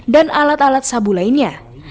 dan alat alat sabu lainnya